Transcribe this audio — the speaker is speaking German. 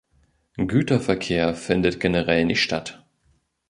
Güterverkehr findet generell nicht statt.